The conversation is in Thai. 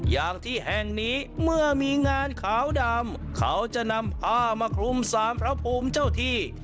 อย่างที่แห่งนี้เมื่อมีงานขาวดำเขาจะนำผ้ามาคลุมสารพระภูมิเจ้าที่